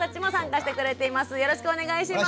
よろしくお願いします。